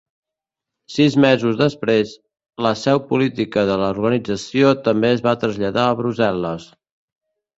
Sis mesos després, la seu política de l'organització també es va traslladar a Brussel·les.